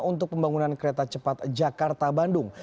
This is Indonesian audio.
untuk pembangunan kereta cepat jakarta bandung